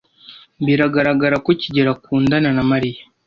Biragaragara ko kigeli akundana na Mariya.